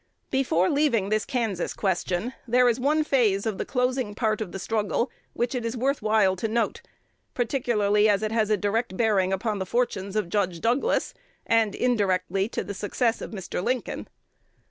Before leaving this Kansas question, there is one phase of the closing part of the struggle which it is worth while to note, particularly as it has a direct bearing upon the fortunes of Judge Douglas, and indirectly to the success of Mr. Lincoln.